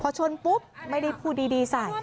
พอช้อนปุ๊บไม่ได้ผูดดีสาย